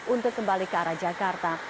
untuk kembali ke arah jakarta